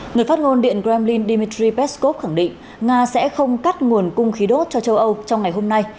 người phát ngôn điện kremlin dmitry peskov khẳng định nga sẽ không cắt nguồn cung khí đốt cho châu âu trong ngày hôm nay